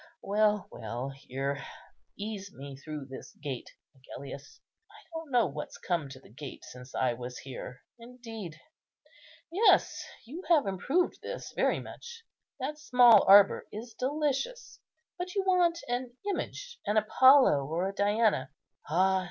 Well, well,—here! ease me through this gate, Agellius; I don't know what's come to the gate since I was here. Indeed!—yes! you have improved this very much. That small arbour is delicious; but you want an image, an Apollo or a Diana. Ah!